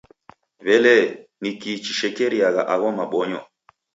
W'elee, nikii chishekeriagha agho mabonyo?